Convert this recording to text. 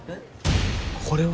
これは。